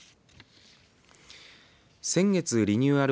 先月リニューアル